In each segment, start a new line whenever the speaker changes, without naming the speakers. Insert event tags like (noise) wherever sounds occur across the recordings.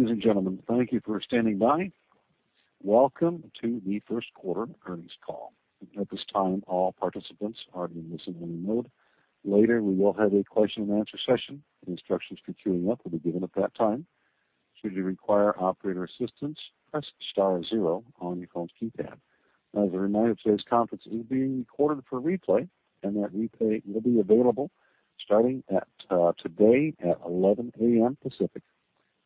Ladies and gentlemen, thank you for standing by. Welcome to the first quarter earnings call. At this time, all participants are in listen-only mode. Later, we will have a question-and-answer session. The instructions for queuing up will be given at that time. Should you require operator assistance, press star zero on your phone's keypad. As a reminder, today's conference is being recorded for replay, and that replay will be available starting at today at 11 A.M. Pacific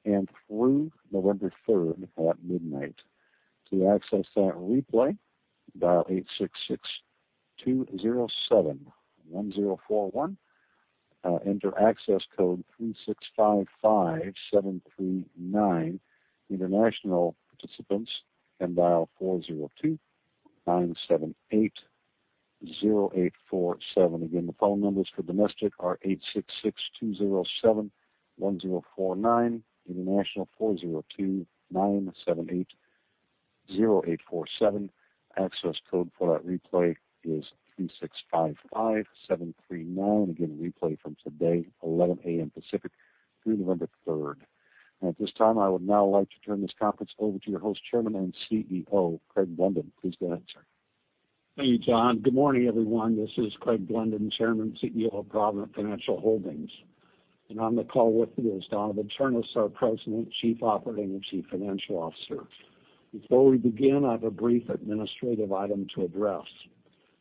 and through November 3rd at midnight. To access that replay, dial 866-207-1041. Enter access code 3655739. International participants can dial 402-978-0847. Again, the phone numbers for domestic are 866-207-1049. International, 402-978-0847. Access code for that replay is 3655739. Again, replay from today, 11 A.M. Pacific through November third. At this time, I would now like to turn this conference over to your host, Chairman and CEO, Craig Blunden. Please go ahead, sir.
Thank you, John. Good morning, everyone. This is Craig Blunden, Chairman and CEO of Provident Financial Holdings. On the call with me is Donavon Ternes, our President, Chief Operating and Chief Financial Officer. Before we begin, I have a brief administrative item to address.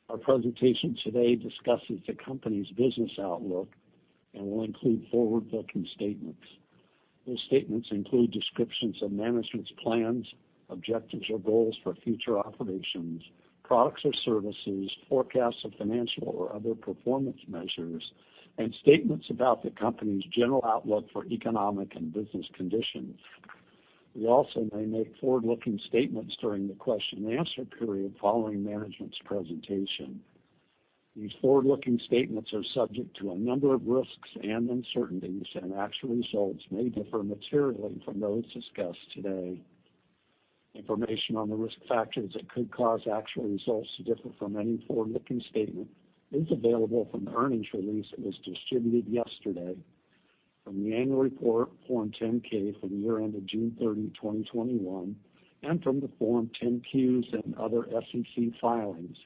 Our presentation today discusses the company's business outlook and will include forward-looking statements. Those statements include descriptions of management's plans, objectives or goals for future operations, products or services, forecasts of financial or other performance measures, and statements about the company's general outlook for economic and business conditions. We also may make forward-looking statements during the question and answer period following management's presentation. These forward-looking statements are subject to a number of risks and uncertainties, and actual results may differ materially from those discussed today. Information on the risk factors that could cause actual results to differ from any forward-looking statement is available from the earnings release that was distributed yesterday from the annual report Form 10-K for the year ended June 30, 2021, and from the Form 10-Qs and other SEC filings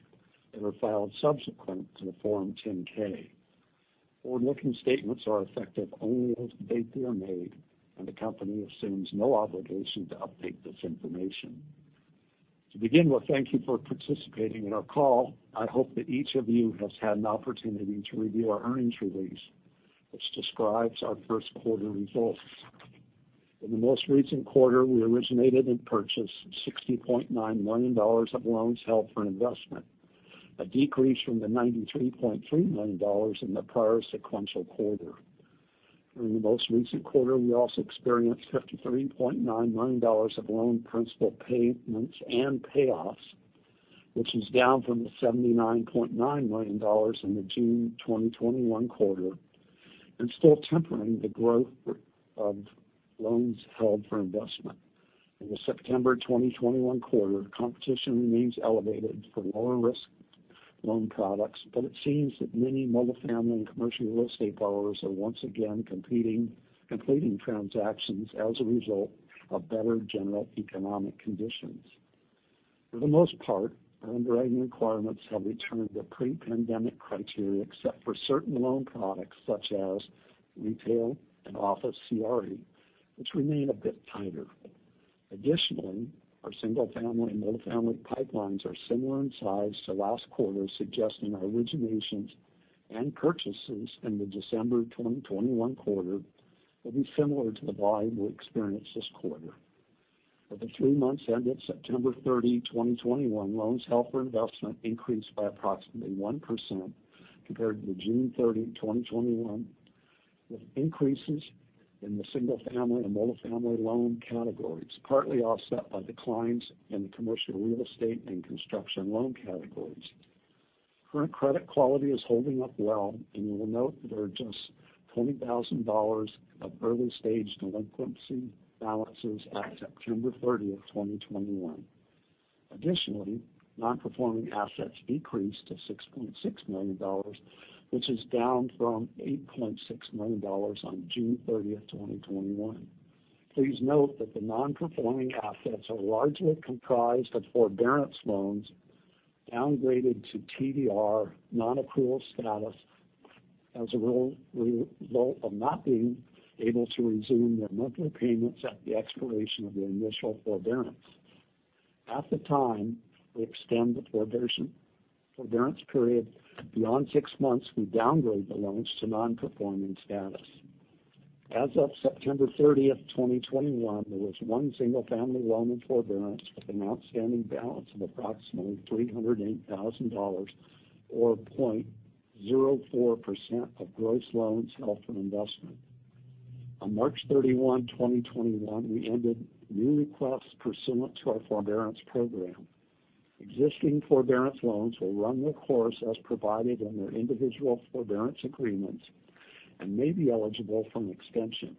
that are filed subsequent to the Form 10-K. Forward-looking statements are effective only as of the date they are made, and the company assumes no obligation to update this information. To begin with, thank you for participating in our call. I hope that each of you has had an opportunity to review our earnings release, which describes our first quarter results. In the most recent quarter, we originated and purchased $60.9 million of loans held for investment, a decrease from the $93.3 million in the prior sequential quarter. During the most recent quarter, we also experienced $53.9 million of loan principal payments and payoffs, which is down from the $79.9 million in the June 2021 quarter and still tempering the growth of loans held for investment. In the September 2021 quarter, competition remains elevated for lower risk loan products, but it seems that many multi-family and commercial real estate borrowers are once again completing transactions as a result of better general economic conditions. For the most part, our underwriting requirements have returned to pre-pandemic criteria, except for certain loan products such as retail and office CRE, which remain a bit tighter. Additionally, our single-family and multi-family pipelines are similar in size to last quarter, suggesting our originations and purchases in the December 2021 quarter will be similar to the volume we experienced this quarter. For the three months ended September 30, 2021, loans held for investment increased by approximately 1% compared to June 30, 2021, with increases in the single-family and multi-family loan categories, partly offset by declines in the commercial real estate and construction loan categories. Current credit quality is holding up well, and you will note that there are just $20,000 of early-stage delinquency balances at September 30, 2021. Additionally, non-performing assets decreased to $6.6 million, which is down from $8.6 million on June 30, 2021. Please note that the non-performing assets are largely comprised of forbearance loans downgraded to TDR non-approval status as a result of not being able to resume their monthly payments at the expiration of the initial forbearance. At the time we extend the forbearance period beyond six months, we downgrade the loans to non-performing status. As of September 30, 2021, there was one single-family loan in forbearance with an outstanding balance of approximately $308,000, or 0.04% of gross loans held for investment. On March 31, 2021, we ended new requests pursuant to our forbearance program. Existing forbearance loans will run the course as provided in their individual forbearance agreements and may be eligible for an extension.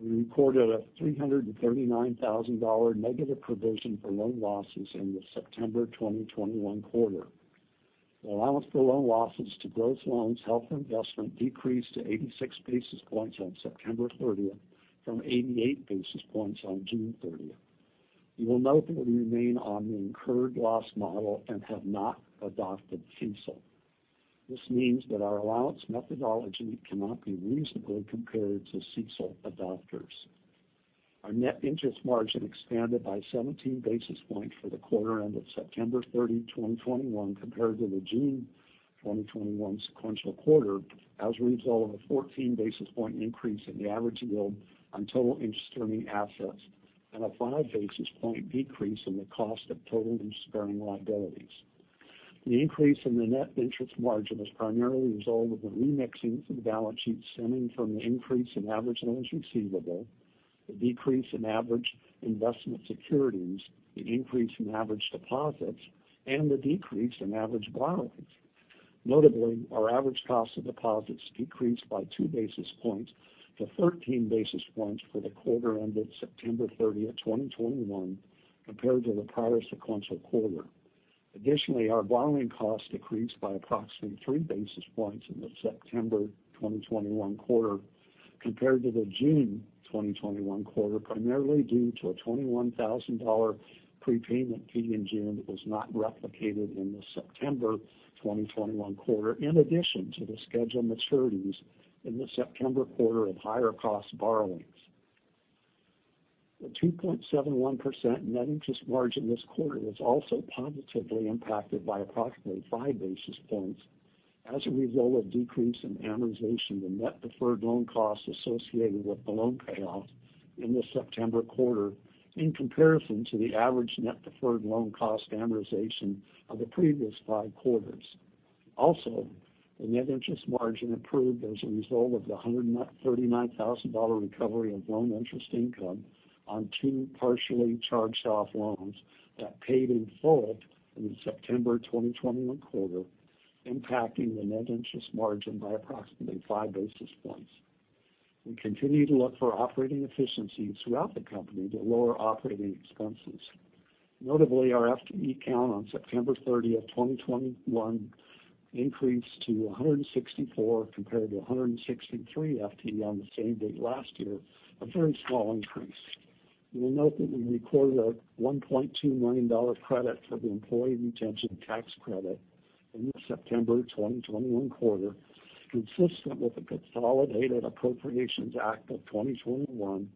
We recorded a $339,000 negative provision for loan losses in the September 2021 quarter. The allowance for loan losses to gross loans held for investment decreased to 86 basis points on September 30th from 88 basis points on June 30. You will note that we remain on the incurred loss model and have not adopted CECL. This means that our allowance methodology cannot be reasonably compared to CECL adopters. Our net interest margin expanded by 17 basis points for the quarter ended September 30, 2021 compared to the June 2021 sequential quarter as a result of a 14 basis points increase in the average yield on total interest-earning assets and a 5 basis points decrease in the cost of total interest-earning liabilities. The increase in the net interest margin was primarily a result of the remixing of the balance sheet stemming from the increase in average loans receivable, the decrease in average investment securities, the increase in average deposits, and the decrease in average borrowings. Notably, our average cost of deposits decreased by 2 basis points to 13 basis points for the quarter ended September 30th, 2021 compared to the prior sequential quarter. Additionally, our borrowing cost decreased by approximately 3 basis points in the September 2021 quarter compared to the June 2021 quarter, primarily due to a $21,000 prepayment fee in June that was not replicated in the September 2021 quarter, in addition to the scheduled maturities in the September quarter of higher cost borrowings. The 2.71% net interest margin this quarter was also positively impacted by approximately 5 basis points as a result of decrease in amortization of the net deferred loan costs associated with the loan payoff in the September quarter in comparison to the average net deferred loan cost amortization of the previous five quarters. The net interest margin improved as a result of the $139,000 recovery of loan interest income on two partially charged off loans that paid in full in the September 2021 quarter, impacting the net interest margin by approximately five basis points. We continue to look for operating efficiencies throughout the company to lower operating expenses. Notably, our FTE count on September 30th, 2021 increased to 164 compared to 163 FTE on the same date last year, a very small increase. You will note that we recorded a $1.2 million credit for the employee retention tax credit in the September 2021 quarter, consistent with the Consolidated Appropriations Act of 2021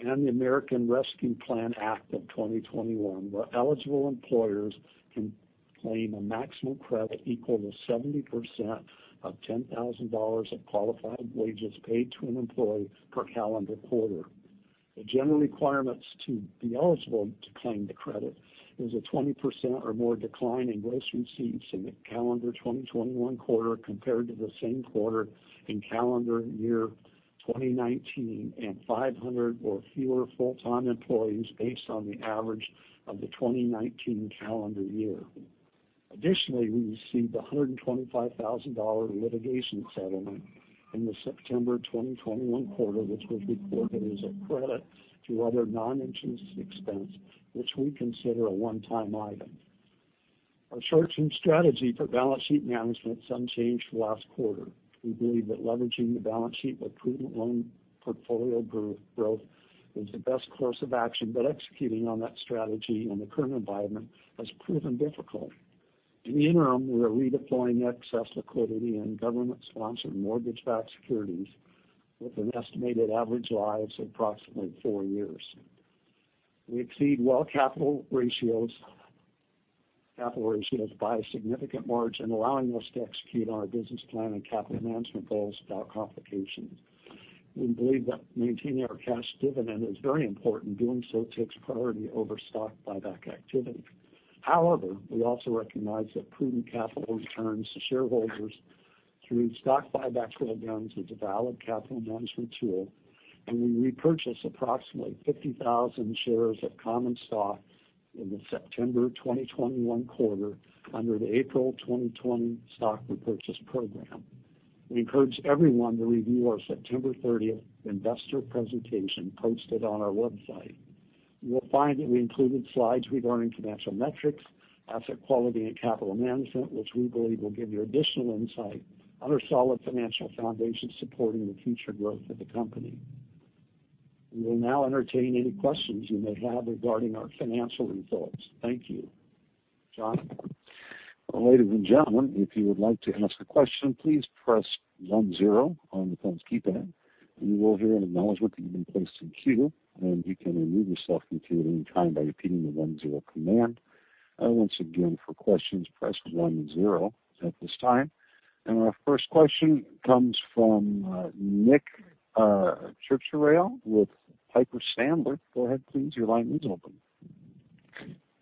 and the American Rescue Plan Act of 2021, where eligible employers can claim a maximum credit equal to 70% of $10,000 of qualified wages paid to an employee per calendar quarter. The general requirements to be eligible to claim the credit is a 20% or more decline in gross receipts in the calendar 2021 quarter compared to the same quarter in calendar year 2019 and 500 or fewer full-time employees based on the average of the 2019 calendar year. Additionally, we received $125,000 litigation settlement in the September 2021 quarter, which was recorded as a credit to other non-interest expense, which we consider a one-time item. Our short-term strategy for balance sheet management is unchanged from last quarter. We believe that leveraging the balance sheet with prudent loan portfolio growth is the best course of action, but executing on that strategy in the current environment has proven difficult. In the interim, we are redeploying excess liquidity in government-sponsored mortgage-backed securities with an estimated average lives of approximately four years. We exceed well capital ratios by a significant margin, allowing us to execute on our business plan and capital management goals without complications. We believe that maintaining our cash dividend is very important. Doing so takes priority over stock buyback activity. However, we also recognize that prudent capital returns to shareholders through stock buybacks programs is a valid capital management tool, and we repurchased approximately 50,000 shares of common stock in the September 2021 quarter under the April 2020 stock repurchase program. We encourage everyone to review our September 30 investor presentation posted on our website. You will find that we included slides regarding financial metrics, asset quality, and capital management, which we believe will give you additional insight on our solid financial foundation supporting the future growth of the company. We will now entertain any questions you may have regarding our financial results. Thank you. John?
Ladies and gentlemen, if you would like to ask a question, please press one zero on the phone's keypad. You will hear an acknowledgement that you've been placed in queue, and you can remove yourself from queue at any time by repeating the one command. Once again, for questions, press one zero at this time. Our first question comes from Nick Cucharale with Piper Sandler. Go ahead, please. Your line is open.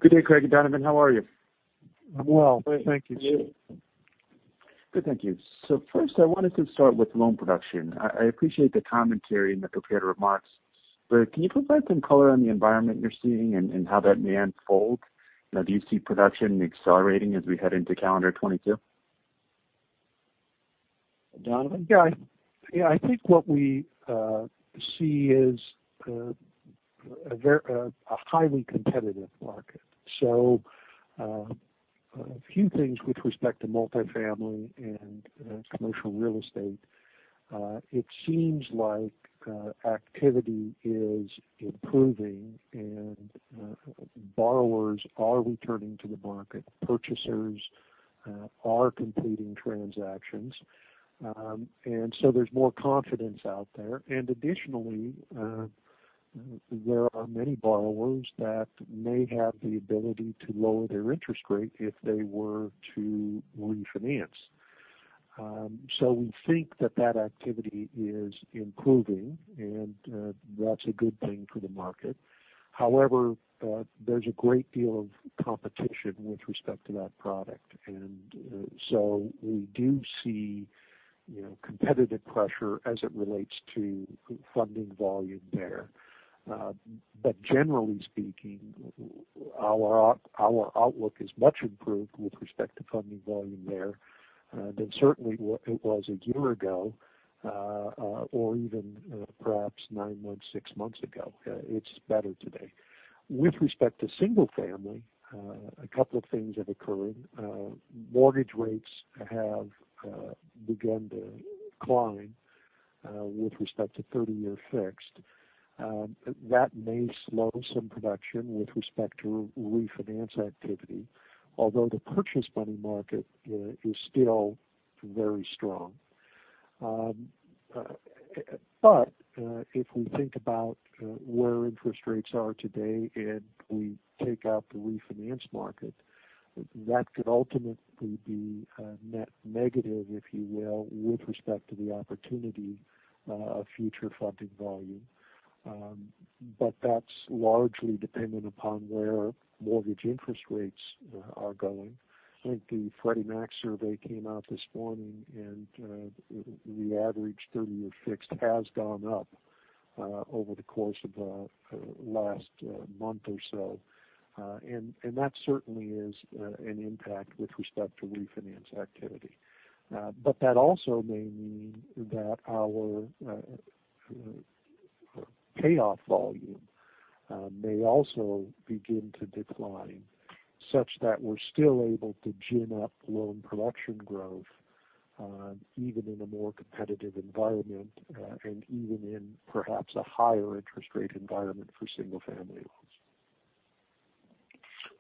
Good day, Craig and Donavon. How are you?
I'm well. Thank you.
Good, thank you. First, I wanted to start with loan production. I appreciate the commentary in the prepared remarks, but can you provide some color on the environment you're seeing and how that may unfold? Now do you see production accelerating as we head into calendar 2022? Don?
Yeah. Yeah, I think what we see is a highly competitive market. A few things with respect to multi-family and commercial real estate. It seems like activity is improving and borrowers are returning to the market. Purchasers are completing transactions. There's more confidence out there. Additionally, there are many borrowers that may have the ability to lower their interest rate if they were to refinance. We think that activity is improving, and that's a good thing for the market. However, there's a great deal of competition with respect to that product. We do see, you know, competitive pressure as it relates to funding volume there. Generally speaking, our outlook is much improved with respect to funding volume there than certainly what it was a year ago or even perhaps 9 months, 6 months ago. It's better today. With respect to single-family, a couple of things have occurred. Mortgage rates have begun to climb with respect to 30-year fixed. That may slow some production with respect to refinance activity, although the purchase-money market is still very strong. If we think about where interest rates are today, and we take out the refinance market, that could ultimately be net negative, if you will, with respect to the opportunity of future funding volume. That's largely dependent upon where mortgage interest rates are going. I think the Freddie Mac survey came out this morning, and the average 30-year fixed has gone up over the course of last month or so. That certainly is an impact with respect to refinance activity. That also may mean that our payoff volume may also begin to decline such that we're still able to gin up loan production growth even in a more competitive environment and even in perhaps a higher interest rate environment for single-family loans.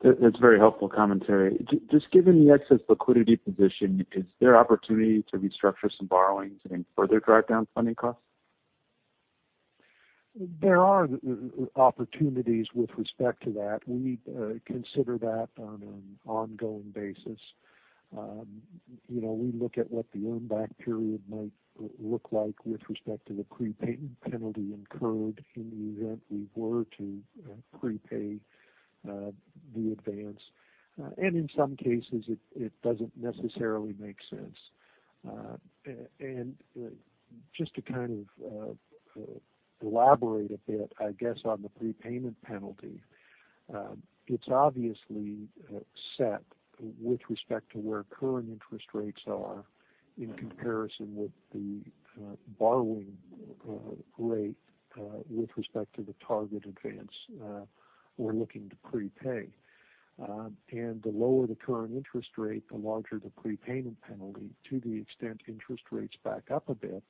That, that's very helpful commentary. Just given the excess liquidity position, is there opportunity to restructure some borrowings and further drive down funding costs?
There are opportunities with respect to that. We consider that on an ongoing basis. You know, we look at what the earn back period might look like with respect to the prepayment penalty incurred in the event we were to prepay the advance. In some cases, it doesn't necessarily make sense. Just to kind of elaborate a bit, I guess, on the prepayment penalty, it's obviously set with respect to where current interest rates are in comparison with the borrowing rate with respect to the target advance we're looking to prepay. The lower the current interest rate, the larger the prepayment penalty. To the extent interest rates back up a bit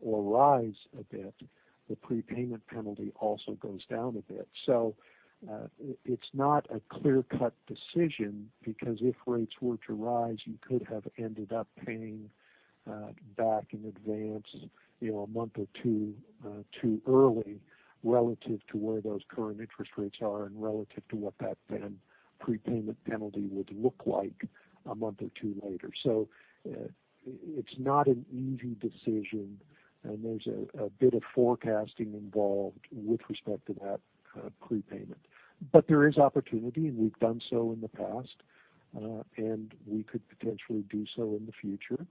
or rise a bit, the prepayment penalty also goes down a bit. It's not a clear-cut decision because if rates were to rise, you could have ended up paying back in advance, you know, a month or two too early relative to where those current interest rates are and relative to what that then prepayment penalty would look like a month or two later. It's not an easy decision, and there's a bit of forecasting involved with respect to that prepayment. There is opportunity, and we've done so in the past, and we could potentially do so in the future.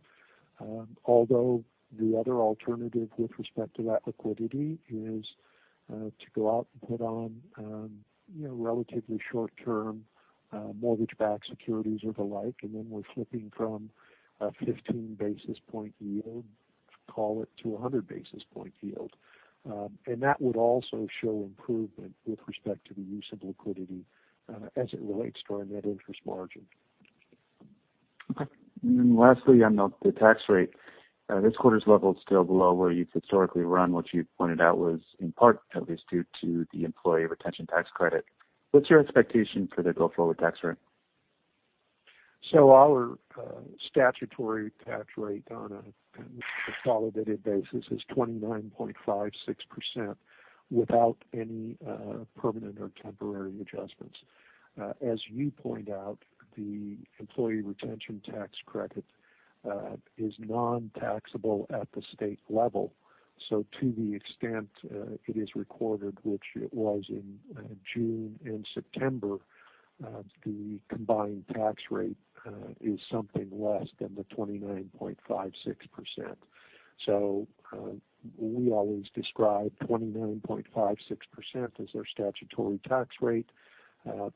Although the other alternative with respect to that liquidity is to go out and put on, you know, relatively short-term mortgage-backed securities or the like, and then we're flipping from a 15 basis point yield, call it, to a 100 basis point yield. That would also show improvement with respect to the use of liquidity, as it relates to our net interest margin.
Okay. Lastly on the tax rate. This quarter's level is still below where you've historically run, which you pointed out was in part at least due to the employee retention tax credit. What's your expectation for the go-forward tax rate?
Our statutory tax rate on a consolidated basis is 29.56% without any permanent or temporary adjustments. As you point out, the employee retention tax credit is non-taxable at the state level. To the extent it is recorded, which it was in June and September, the combined tax rate is something less than the 29.56%. We always describe 29.56% as our statutory tax rate. In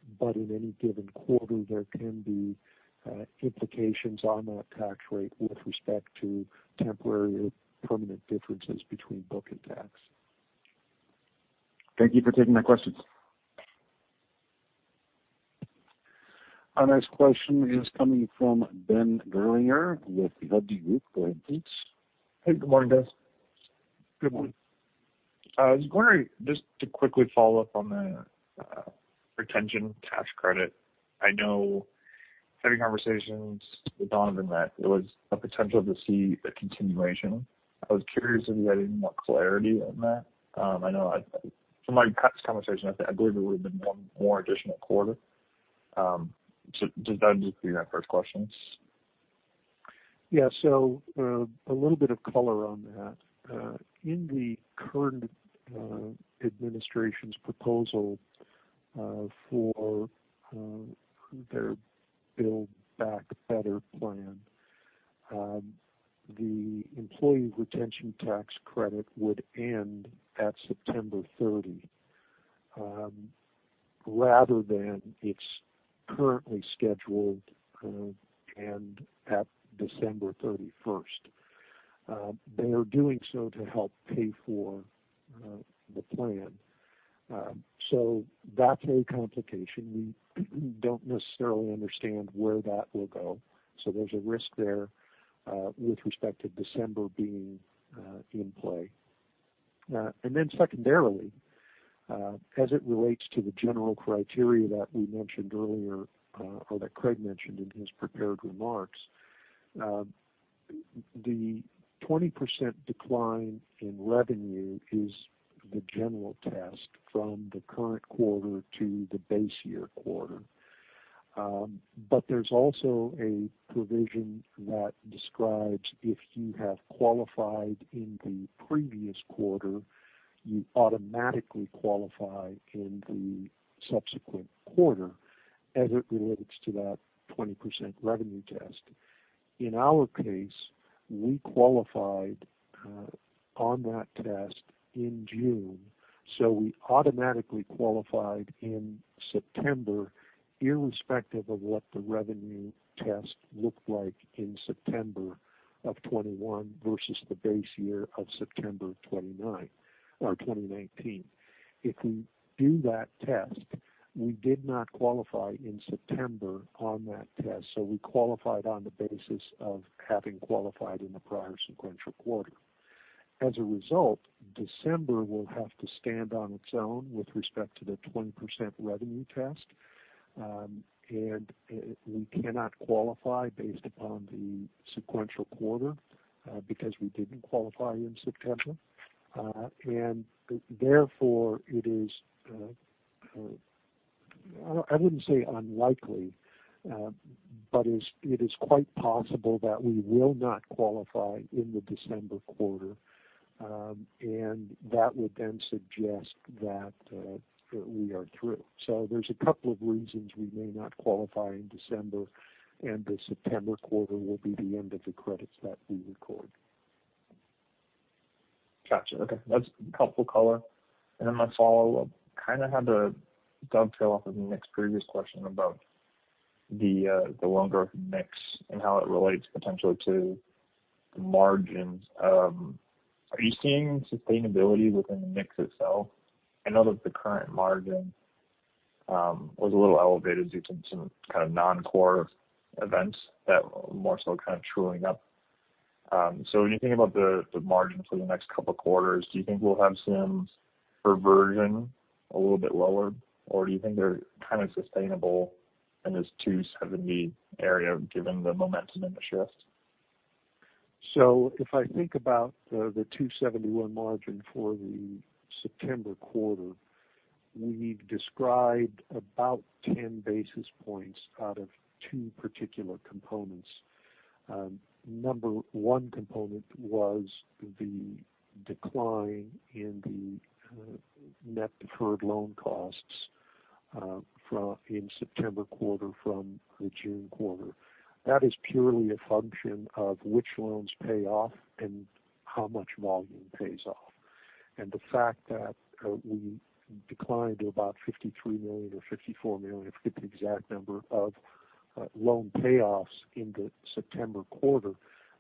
any given quarter, there can be implications on that tax rate with respect to temporary or permanent differences between book and tax.
Thank you for taking my questions.
Our next question is coming from Ben Gerlinger with Hovde Group. Go ahead, please.
Hey, good morning, guys.
Good morning.
I was wondering, just to quickly follow up on the retention tax credit. I know from having conversations with Don on that there was a potential to see a continuation. I was curious if you had any more clarity on that. I know from my past conversation, I believe it would have been one more additional quarter. So does that just clear up first questions?
Yeah. A little bit of color on that. In the current administration's proposal for their build back better plan, the employee retention tax credit would end at September 30 rather than it's currently scheduled and at December 31st. They are doing so to help pay for the plan. That's a complication. We don't necessarily understand where that will go. There's a risk there with respect to December being in play. Secondarily, as it relates to the general criteria that we mentioned earlier or that Craig mentioned in his prepared remarks. The 20% decline in revenue is the general test from the current quarter to the base year quarter. There's also a provision that describes if you have qualified in the previous quarter, you automatically qualify in the subsequent quarter as it relates to that 20% revenue test. In our case, we qualified on that test in June, so we automatically qualified in September, irrespective of what the revenue test looked like in September 2021 versus the base year of September 2019. If we do that test, we did not qualify in September on that test, so we qualified on the basis of having qualified in the prior sequential quarter. As a result, December will have to stand on its own with respect to the 20% revenue test. We cannot qualify based upon the sequential quarter because we didn't qualify in September. Therefore, it is. I wouldn't say unlikely, but it is quite possible that we will not qualify in the December quarter. That would then suggest that we are through. There's a couple of reasons we may not qualify in December, and the September quarter will be the end of the credits that we record.
Got you. Okay, that's helpful color. My follow-up kind of had to dovetail off of Nick's previous question about the loan growth mix and how it relates potentially to the margins. Are you seeing sustainability within the mix itself? I know that the current margin was a little elevated due to some kind of non-core events that more so kind of truing up. When you think about the margin for the next couple of quarters, do you think we'll have (audio distortion) a little bit lower, or do you think they're kind of sustainable in this 2.70 area, given the momentum in the shift?
If I think about the 2.71 margin for the September quarter, we've described about 10 basis points out of two particular components. Number one component was the decline in the net deferred loan costs in September quarter from the June quarter. That is purely a function of which loans pay off and how much volume pays off. The fact that we declined to about $53 million or $54 million, I forget the exact number, of loan payoffs in the September quarter.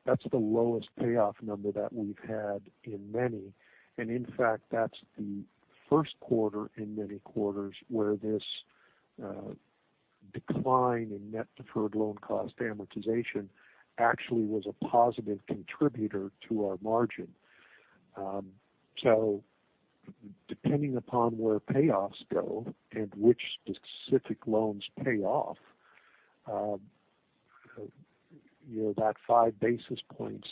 That's the lowest payoff number that we've had in many. In fact, that's the first quarter in many quarters where this decline in net deferred loan cost amortization actually was a positive contributor to our margin. Depending upon where payoffs go and which specific loans pay off, you know, that 5 basis points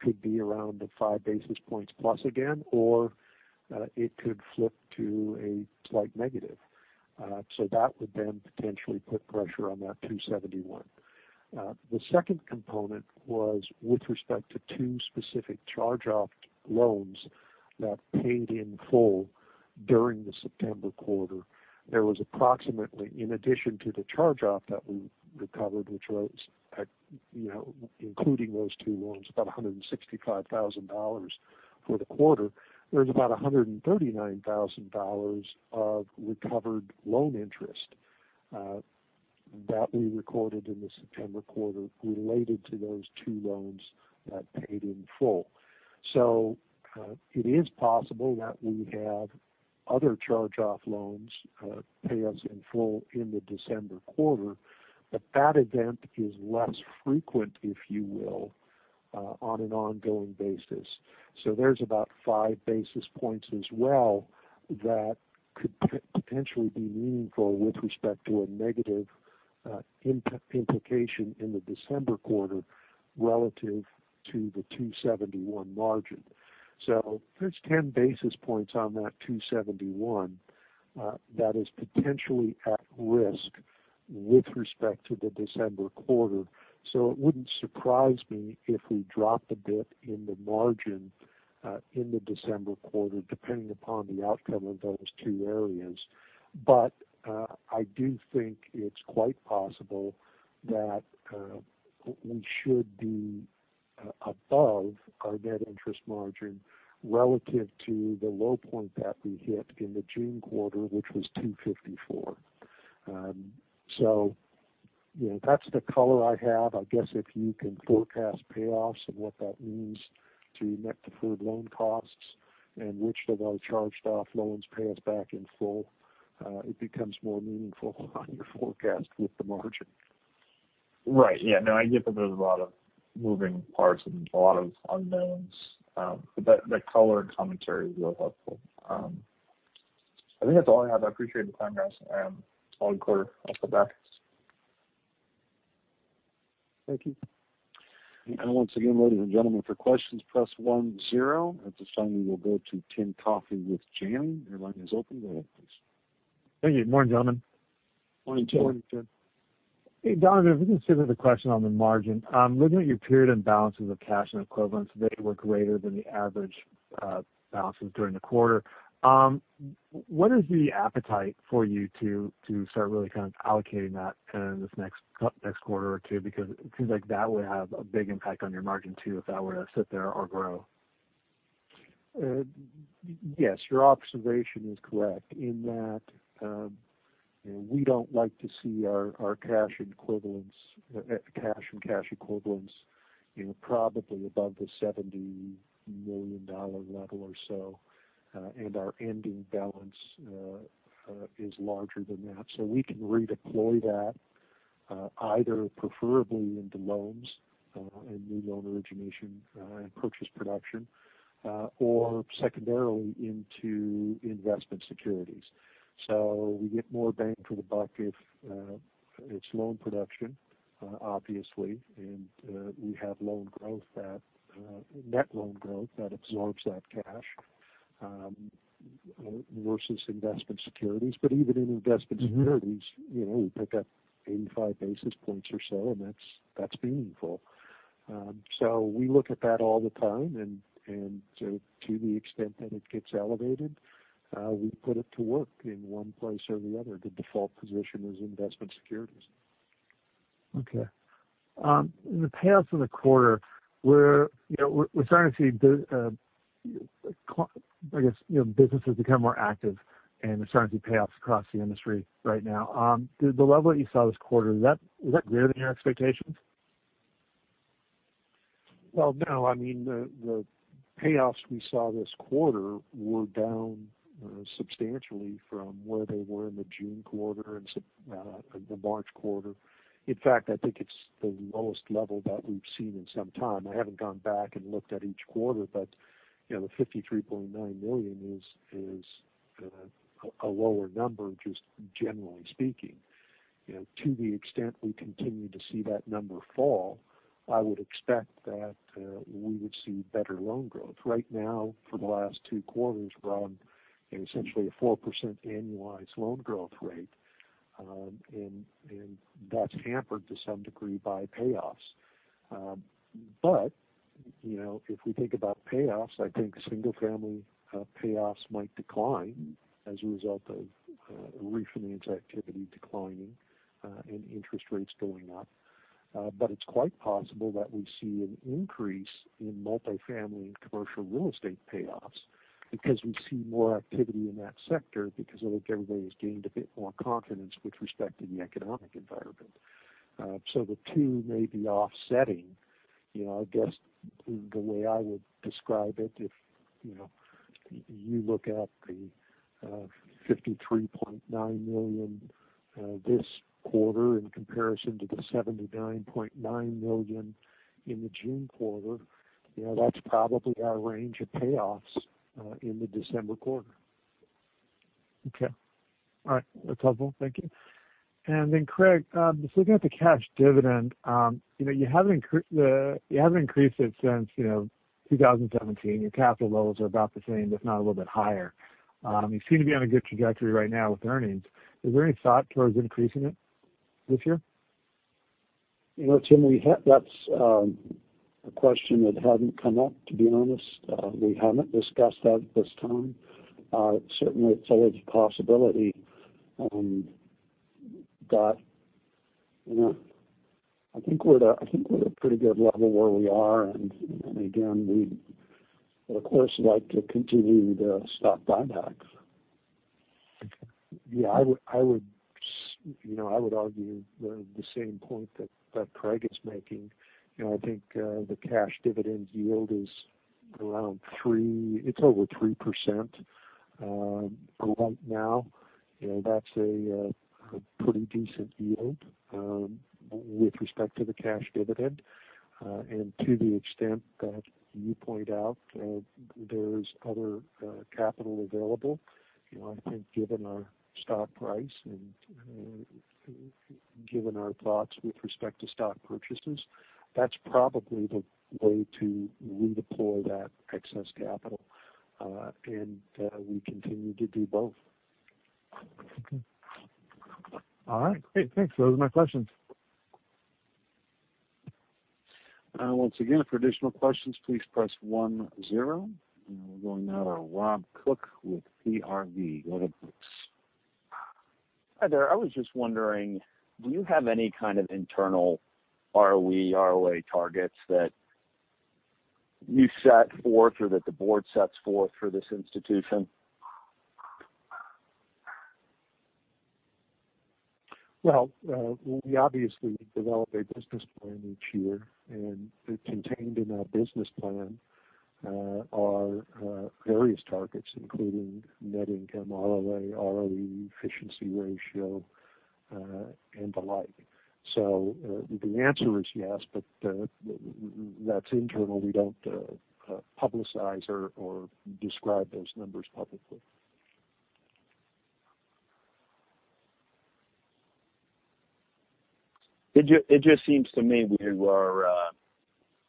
could be around the 5 basis points plus again, or it could flip to a slight negative. That would then potentially put pressure on that 2.71. The second component was with respect to two specific charge-off loans that paid in full. During the September quarter, there was approximately, in addition to the charge-off that we recovered, which was at, you know, including those two loans, about $165,000 for the quarter. There's about $139,000 of recovered loan interest that we recorded in the September quarter related to those two loans that paid in full. It is possible that we have other charge-off loans, payoffs in full in the December quarter, but that event is less frequent, if you will, on an ongoing basis. There's about 5 basis points as well that could potentially be meaningful with respect to a negative implication in the December quarter relative to the 2.71% margin. There's 10 basis points on that 2.71% that is potentially at risk with respect to the December quarter. It wouldn't surprise me if we dropped a bit in the margin in the December quarter, depending upon the outcome of those two areas. I do think it's quite possible that we should be above our net interest margin relative to the low point that we hit in the June quarter, which was 2.54%. You know, that's the color I have. I guess if you can forecast payoffs and what that means to net deferred loan costs and which of our charged-off loans pay us back in full, it becomes more meaningful on your forecast with the margin.
Right. Yeah. No, I get that there's a lot of moving parts and a lot of unknowns. That color and commentary is real helpful. I think that's all I have. I appreciate the time, guys, and on the quarter. I'll come back.
Thank you.
Once again, ladies and gentlemen, for questions, press one zero. At this time, we will go to Tim Coffey with Janney. Your line is open. Go ahead, please.
Thank you. Morning, gentlemen.
Morning, Tim.
Morning, Tim.
Hey, Don, if we can start with a question on the margin. Looking at your period-end balances of cash and equivalents, they were greater than the average balances during the quarter. What is the appetite for you to start really kind of allocating that this next quarter or two? Because it seems like that would have a big impact on your margin too, if that were to sit there or grow.
Yes, your observation is correct in that, you know, we don't like to see our cash and cash equivalents, you know, probably above the $70 million level or so. Our ending balance is larger than that. We can redeploy that, either preferably into loans, and new loan origination, and purchase production, or secondarily into investment securities. We get more bang for the buck if it's loan production, obviously. We have net loan growth that absorbs that cash versus investment securities. Even in investment securities, you know, we pick up 85 basis points or so, and that's meaningful. We look at that all the time. To the extent that it gets elevated, we put it to work in one place or the other. The default position is investment securities.
Okay. In the payoffs in the quarter, we're, you know, starting to see the, I guess, you know, businesses become more active, and we're starting to see payoffs across the industry right now. The level that you saw this quarter, is that greater than your expectations?
No, I mean, the payoffs we saw this quarter were down substantially from where they were in the June quarter and the March quarter. In fact, I think it's the lowest level that we've seen in some time. I haven't gone back and looked at each quarter. You know, the $53.9 million is a lower number, just generally speaking. You know, to the extent we continue to see that number fall, I would expect that we would see better loan growth. Right now for the last two quarters, we're on essentially a 4% annualized loan growth rate. That's hampered to some degree by payoffs. You know, if we think about payoffs, I think single family payoffs might decline as a result of refinance activity declining and interest rates going up. It's quite possible that we see an increase in multi-family and commercial real estate payoffs because we see more activity in that sector because I think everybody has gained a bit more confidence with respect to the economic environment. The two may be offsetting. You know, I guess the way I would describe it, if you know, you look at the $53.9 million this quarter in comparison to the $79.9 million in the June quarter, you know, that's probably our range of payoffs in the December quarter.
Okay. All right. That's helpful. Thank you. Then, Craig, just looking at the cash dividend, you know, you haven't increased it since, you know, 2017. Your capital levels are about the same, if not a little bit higher. You seem to be on a good trajectory right now with earnings. Is there any thought towards increasing it this year?
You know, Tim, that's a question that hadn't come up, to be honest. We haven't discussed that at this time. Certainly it's always a possibility. You know, I think we're at a pretty good level where we are. Again, we would of course like to continue the stock buybacks. Yeah. I would, you know, I would argue the same point that Craig is making. You know, I think the cash dividend yield is around 3%. It's over 3% right now. You know, that's a pretty decent yield with respect to the cash dividend. To the extent that you point out, there's other capital available. You know, I think given our stock price and given our thoughts with respect to stock purchases, that's probably the way to redeploy that excess capital. We continue to do both.
Okay. All right. Great. Thanks. Those are my questions.
Once again for additional questions please press one zero. We're going now to Rob Cook with CRV. (audio distortion)
Hi there. I was just wondering, do you have any kind of internal ROE, ROA targets that you set forth or that the board sets forth for this institution?
Well, we obviously develop a business plan each year, and contained in our business plan are various targets including net income, ROA, ROE, efficiency ratio, and the like. The answer is yes, but that's internal. We don't publicize or describe those numbers publicly.
It just seems to me you are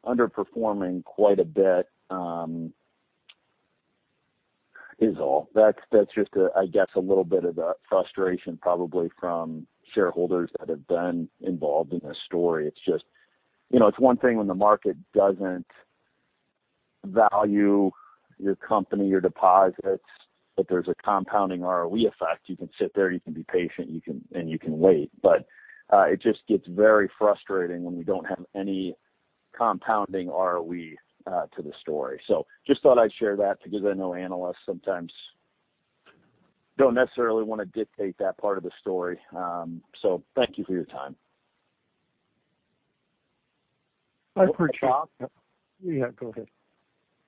underperforming quite a bit, is all. That's just a, I guess, a little bit of a frustration probably from shareholders that have been involved in this story. It's just you know, it's one thing when the market doesn't value your company, your deposits, but there's a compounding ROE effect. You can sit there, you can be patient, and you can wait. But it just gets very frustrating when we don't have any compounding ROE to the story. So just thought I'd share that because I know analysts sometimes don't necessarily wanna dictate that part of the story. So thank you for your time.
Rob.
Yeah, go ahead.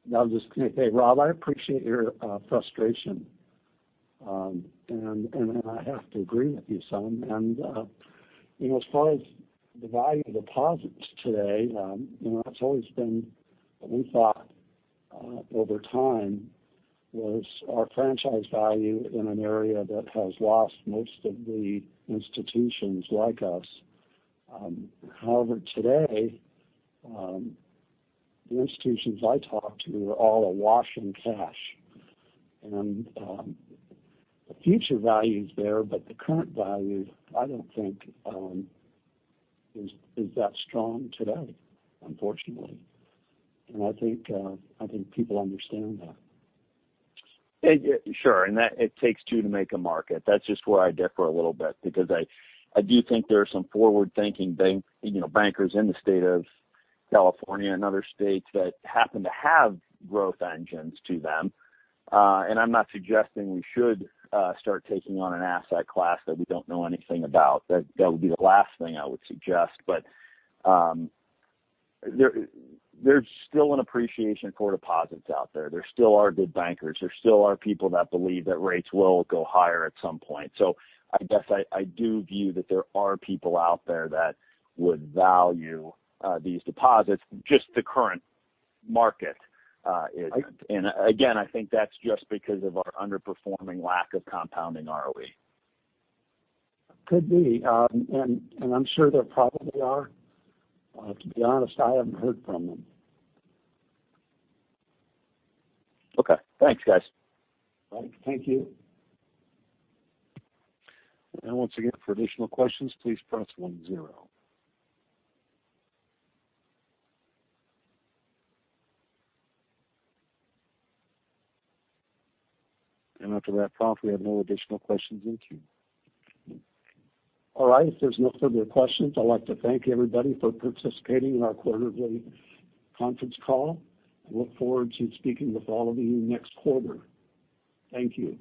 No, I was just gonna say, Rob, I appreciate your frustration. I have to agree with you son. You know, as far as the value of deposits today, you know, that's always been what we thought, over time, was our franchise value in an area that has lost most of the institutions like us. However, today, the institutions I talk to are all awash in cash. The future value is there, but the current value, I don't think, is that strong today, unfortunately. I think people understand that.
Yeah, yeah, sure. That it takes two to make a market. That's just where I differ a little bit because I do think there are some forward-thinking bank, you know, bankers in the state of California and other states that happen to have growth engines to them. I'm not suggesting we should start taking on an asset class that we don't know anything about. That would be the last thing I would suggest. There's still an appreciation for deposits out there. There still are good bankers. There still are people that believe that rates will go higher at some point. I guess I do view that there are people out there that would value these deposits, just the current market isn't.
I.
Again, I think that's just because of our underperforming lack of compounding ROE.
Could be. I'm sure there probably are. To be honest, I haven't heard from them.
Okay. Thanks, guys.
Thank you.
And once again, for additional questions, please press one zero. And after that pause, we have no additional questions in queue.
All right. If there's no further questions, I'd like to thank everybody for participating in our quarterly conference call. I look forward to speaking with all of you next quarter. Thank you.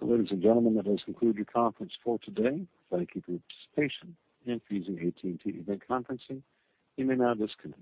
Ladies and gentlemen, that does conclude your conference call today. Thank you for your participation in AT&T Event Conferencing. You may now disconnect.